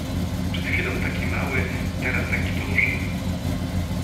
Przed chwilą taki mały, teraz taki duży